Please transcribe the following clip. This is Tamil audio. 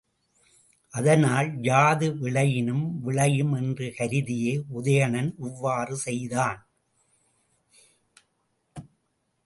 அதனால் யாது விளையினும் விளையும் என்று கருதியே உதயணன் இவ்வாறு செய்தான்.